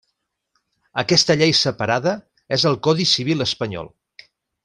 Aquesta llei separada és el Codi Civil espanyol.